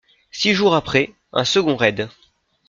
Six jours après, un second raid.